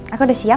aku udah siap